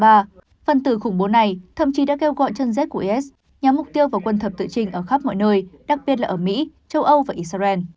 phần tử khủng bố này thậm chí đã kêu gọi chân dết của is nhắm mục tiêu vào quân thập tự trình ở khắp mọi nơi đặc biệt là ở mỹ châu âu và israel